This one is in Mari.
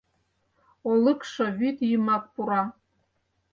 Олыкшо вӱд йымак пура?